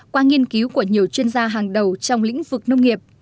qua nghiên cứu của nhiều chuyên gia hàng đầu trong lĩnh vực nông nghiệp